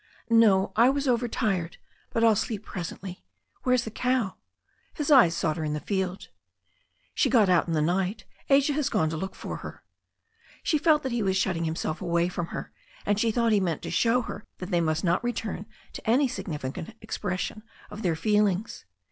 "No, I was overtired. But I'll sleep presently. Where's the cow ?" His eyes sought her in the field. I "She got out in the night. Asia has gone to look for her." She felt that he was shutting himself away from her, and she thought he meant to show her that they must not return to any significant expression of their feelings.